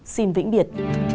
xin vĩnh biệt